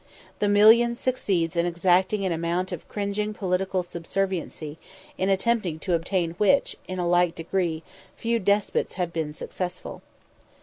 The million succeeds in exacting an amount of cringing political subserviency, in attempting to obtain which, in a like degree, few despots have been successful.